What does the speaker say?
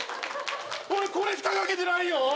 俺これしか賭けてないよ？